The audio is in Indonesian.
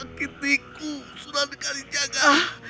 kau menyakitikusudah dekati jaga